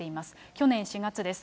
去年４月です。